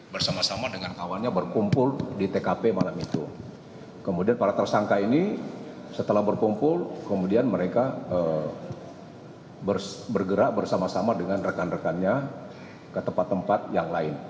bersama sama dengan rekan rekannya ke tempat tempat yang lain